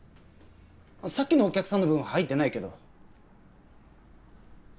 さっきのお客さんの分は入ってないけど。